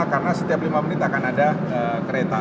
karena setiap lima menit akan ada kereta